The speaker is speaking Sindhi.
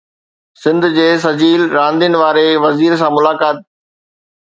سنڌ جي سجيل راندين واري وزير سان ملاقات